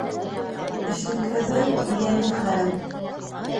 Эшлекһеҙҙең йәне хәрәм.